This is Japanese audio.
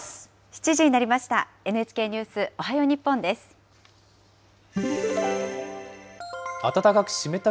７時になりました。